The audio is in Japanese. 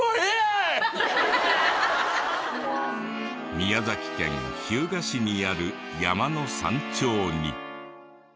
宮崎県日向市にある山の山頂に。